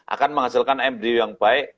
akan menghasilkan mdw yang baik